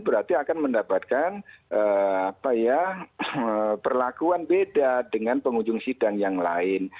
berarti akan mendapatkan perlakuan beda dengan pengunjung sidang yang lain